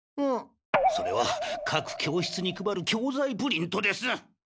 それはかく教室に配る教ざいプリントです！